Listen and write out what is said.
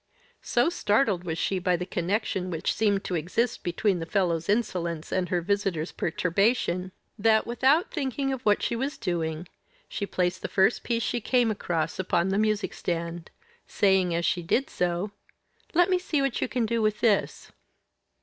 So startled was she by the connection which seemed to exist between the fellow's insolence and her visitor's perturbation that, without thinking of what she was doing, she placed the first piece she came across upon the music stand saying, as she did so: "Let me see what you can do with this."